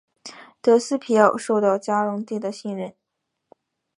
德斯皮奥受到嘉隆帝的信任。